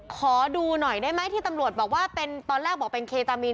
ขอดูหน่อยได้ไหมที่ตำรวจบอกว่าเป็นตอนแรกบอกเป็นเคตามีน